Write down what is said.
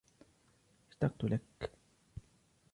أشتقتُ لكَ.